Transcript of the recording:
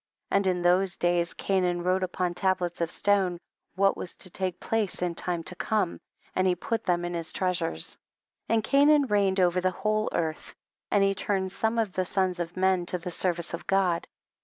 13. And in those days Cainan wrote upon tablets of stone, what was to take place in time to come, and he put tliem in his treasures. 14. And Cainan reigned over the whole earth, and he turned some of the sons of men to the service of God.